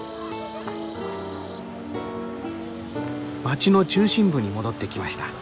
街の中心部に戻ってきました。